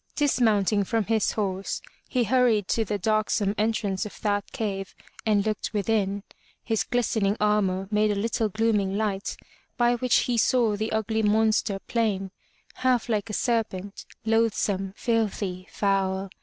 Dismounting from his horse, he hur ried to the darksome entrance of that cave and looked within. His glistening armor made a little glooming light, by which he saw the ugly monster plain, half like a serpent, loathsome, filthy, foul.